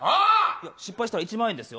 失敗したら１万円ですよ。